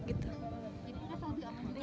jadi dirasa lebih aman juga